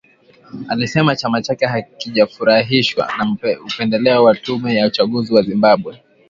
alisema chama chake hakijafurahishwa na upendeleo wa tume ya uchaguzi ya Zimbabwe